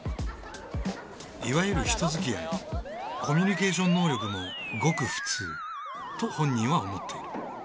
いわゆる人づきあいコミュニケーション能力もごくフツーと本人は思っている。